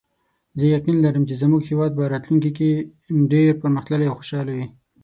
زه یقین لرم چې زموږ هیواد به راتلونکي کې ډېر پرمختللی او خوشحاله وي